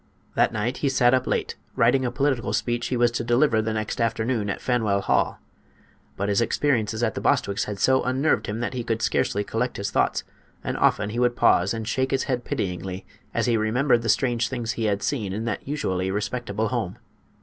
That night he sat up late writing a political speech he was to deliver the next afternoon at Faneuil hall, but his experiences at the Bostwicks' had so unnerved him that he could scarcely collect his thoughts, and often he would pause and shake his head pityingly as he remembered the strange things he had seen in that usually respectable home.